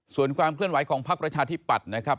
ส่วนความเคลื่อนไหวของพักประชาธิปัตย์นะครับ